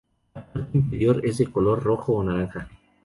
La parte inferior es de de color rojo o naranja.